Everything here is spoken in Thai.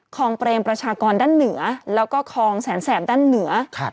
เปรมประชากรด้านเหนือแล้วก็คลองแสนแสบด้านเหนือ